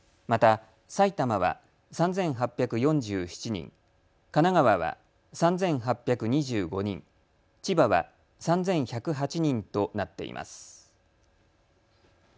また埼玉は３８４７人、神奈川は３８２５人、千葉は３１０８人となっています。